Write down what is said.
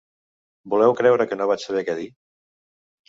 ¿Voleu creure que no vaig saber què dir?